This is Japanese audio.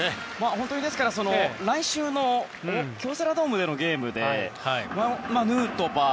本当に、来週の京セラドームのゲームでヌートバー